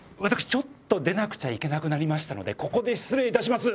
ちょっと出なくちゃいけなくなりましたのでここで失礼いたします。